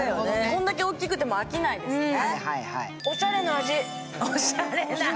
こんだけ大きくても飽きないですね。